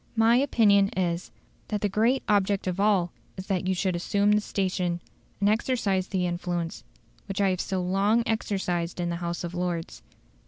"My opinion is, that the great object of all is that you should assume the station, and exercise the influence, which I have so long exercised in the House of Lords.